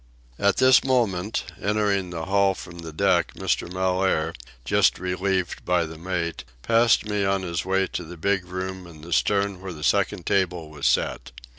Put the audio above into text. At this moment, entering the hall from the deck, Mr. Mellaire, just relieved by the mate, passed me on his way to the big room in the stern where the second table was set.